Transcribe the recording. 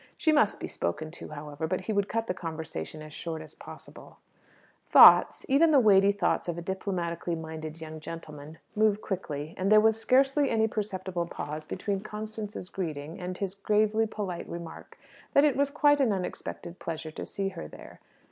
She must be spoken to, however; but he would cut the conversation as short as possible. Thoughts even the weighty thoughts of a diplomatically minded young gentleman move quickly, and there was scarcely any perceptible pause between Constance's greeting and his gravely polite remark that it was quite an unexpected pleasure to see her there.